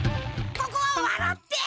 ここはわらって！